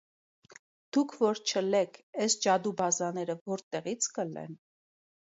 Դուք որ չըլեք, էս ջադուբազները ո՞րտեղից կըլեն…